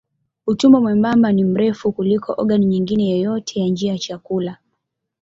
Utumbo mwembamba ni mrefu kuliko ogani nyingine yoyote ya njia ya chakula.